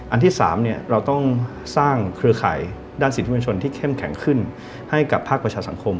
ที่๓เราต้องสร้างเครือข่ายด้านสิทธิมชนที่เข้มแข็งขึ้นให้กับภาคประชาสังคม